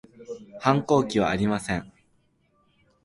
反抗期はありません